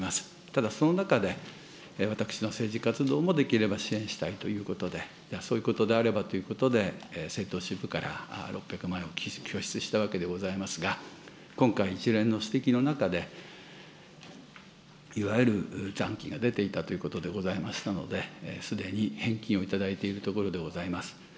ただ、その中で私の政治活動もできれば支援したいということで、そういうことであればということで、政党支部から６００万円を拠出したわけでございますが、今回、一連の指摘の中で、いわゆる残金が出ていたということでございましたので、すでに返金をいただいているところでございます。